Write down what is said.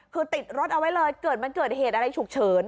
คือติดรถเอาไว้เลยเกิดมันเกิดเหตุอะไรฉุกเฉิน